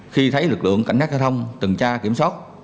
khi thấy lực lượng cảnh sát giao thông từng tra kiểm soát